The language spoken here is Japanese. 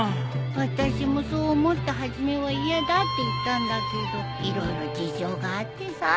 私もそう思って初めは嫌だって言ったんだけど色々事情があってさ。